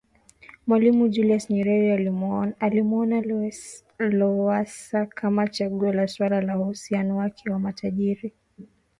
Mwalimu Julius Nyerere asimuone Lowassa kama chaguo ni suala la uhusiano wake na matajiri